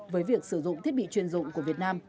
với việc sử dụng thiết bị chuyên dụng của việt nam